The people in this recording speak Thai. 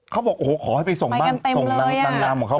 คนบอกโหขอให้ไปส่งแปลงเรากันเต็มเลย